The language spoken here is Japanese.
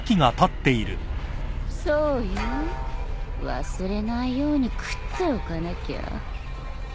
そうよ忘れないように喰っておかなきゃ。